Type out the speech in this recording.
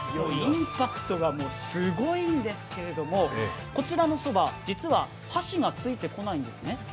インパクトがすごいんですけれどもこちらのそば、実は箸がついてこないんですね。